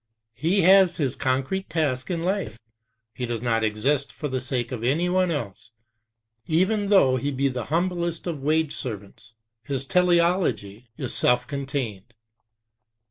He has his concrete task in life ; he does not exist for the sake of anyone else, even though he be the humblest of wage servants; his teleology is self contained.